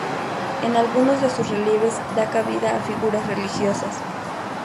En algunos de sus relieves da cabida a figuras religiosas.